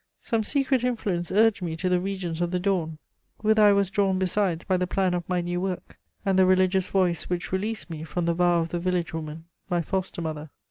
Some secret influence urged me to the regions of the Dawn, whither I was drawn besides by the plan of my new work and the religious voice which released me from the vow of the village woman, my foster mother.